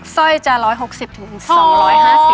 ซ่อยจะ๑๖๐ถึง๒๕๐ค่ะ